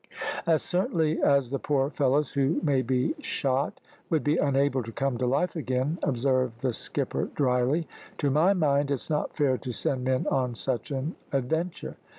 "As certainly as the poor fellows who may be shot would be unable to come to life again," observed the skipper dryly. "To my mind it's not fair to send men on such an adventure."